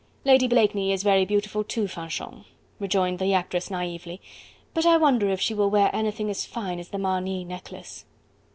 "Lady Blakeney is very beautiful too, Fanchon," rejoined the actress naively, "but I wonder if she will wear anything as fine as the Marny necklace?"